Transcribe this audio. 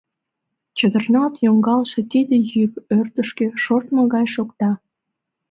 Чытырналт йоҥгалтше тиде йӱк ӧрдыжкӧ шортмо гай шокта.